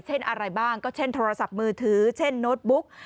เช่นอะไรบ้างก็เช่นโทรศัพท์มือถือเช่นโน้ตบุ๊ก